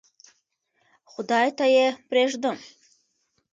خدای ته یې پرېږدم.